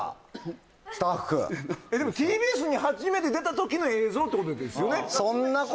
でもＴＢＳに初めて出たときの映像ってことですよね？